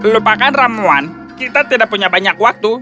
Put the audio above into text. lupakan ramuan kita tidak punya banyak waktu